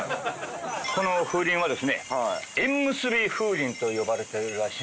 この風鈴はですね縁むすび風鈴と呼ばれてるらしい。